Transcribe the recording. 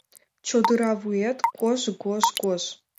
Чодыра вует — кож-гож-гож.